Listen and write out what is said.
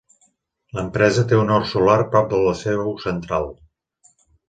L'empresa té un hort solar prop de la seu central.